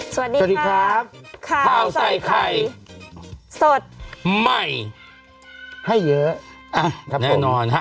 สวัสดีครับข้าวใส่ไข่สดใหม่ให้เยอะอ่ะครับแน่นอนฮะ